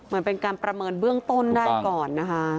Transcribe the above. มันเป็นการประเมินเบื้องต้นได้ก่อนนะคะ